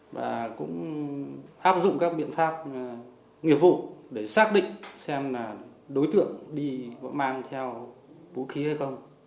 và cũng áp dụng các biện pháp nghiệp vụ để xác định xem là đối tượng đi có mang theo vũ khí hay không